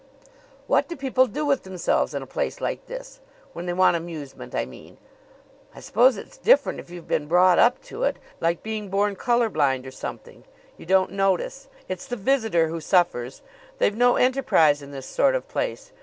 "What do people do with themselves in a place like this? When they want amusement, I mean. I suppose it's different if you've been brought up to it. Like being born color blind or something. You don't notice. It's the visitor who suffers. They've no enterprise in this sort of place.